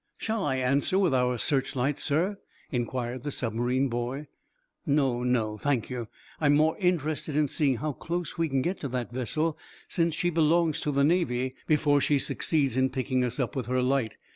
"Shall I answer with our searchlight, sir?" inquired the submarine boy. "No, no, thank you. I'm more interested in seeing how close we can get to that vessel, since she belongs to the Navy, before she succeeds in picking us up with her light.